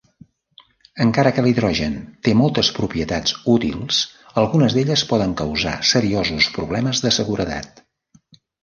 Encara que l'hidrogen té moltes propietats útils, algunes d'elles poden causar seriosos problemes de seguretat.